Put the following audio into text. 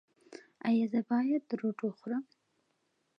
ایا زه باید روټ وخورم؟